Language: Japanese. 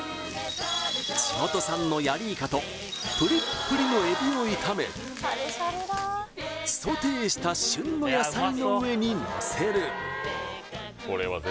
地元産のヤリイカとプリップリのエビを炒めソテーした旬の野菜の上にのせる